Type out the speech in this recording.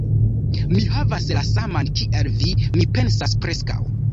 Mi havas la saman kiel vi, mi pensas preskaŭ...